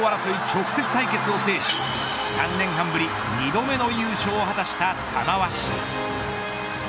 直接対決を制し３年半ぶり２度目の優勝を果たした玉鷲。